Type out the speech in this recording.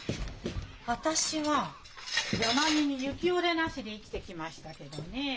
私は「柳に雪折れなし」で生きてきましたけどねえ。